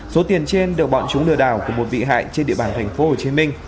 số tiền trên được bọn chúng lừa đảo của một vị hại trên địa bàn tp hcm